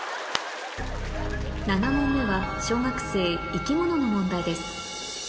７問目は小学生生き物の問題です